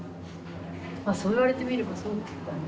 あそう言われてみればそうだね。